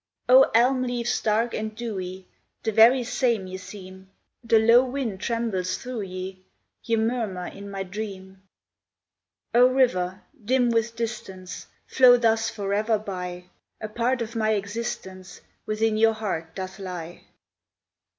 O, elm leaves dark and dewy, The very same ye seem, The low wind trembles through ye, Ye murmur in my dream! O, river, dim with distance, Flow thus forever by: A part of my existence Within your heart doth lie!